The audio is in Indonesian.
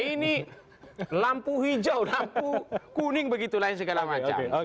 ini lampu hijau lampu kuning segala macam